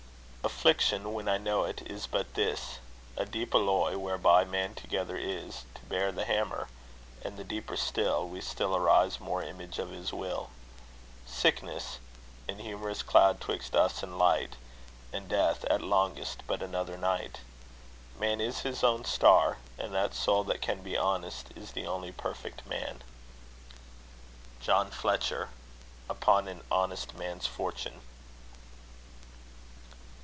Affliction, when I know it, is but this A deep alloy, whereby man tougher is To bear the hammer; and the deeper still, We still arise more image of his will. Sickness an humorous cloud 'twist us and light; And death, at longest, but another night. Man is his own star; and that soul that can Be honest, is the only perfect Man. JOHN FLETCHER. Upon an Honest Man's Fortune.